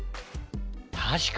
たしかに！